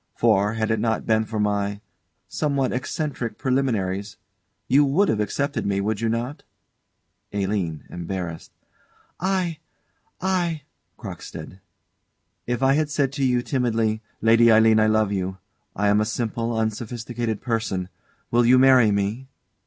For, had it not been for my somewhat eccentric preliminaries you would have accepted me, would you not? ALINE. [Embarrassed.] I I CROCKSTEAD. If I had said to you, timidly: "Lady Aline, I love you: I am a simple, unsophisticated person; will you marry me?"